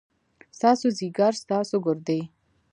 ستاسو ځيګر ، ستاسو ګردې ،